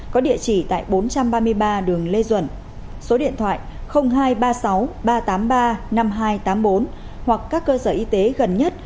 có địa chỉ tại bốn trăm ba mươi ba đường lê duẩn số điện thoại hai trăm ba mươi sáu ba trăm tám mươi ba năm nghìn hai trăm tám mươi bốn hoặc các cơ sở y tế gần nhất